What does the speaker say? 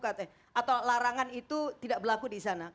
atau larangan itu tidak berlaku di sana